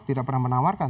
tidak pernah menawarkan